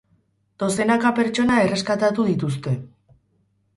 Dozenaka pertsona erreskatatu dituzte.